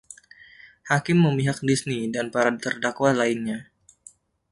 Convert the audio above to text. Hakim memihak Disney dan para terdakwa lainnya.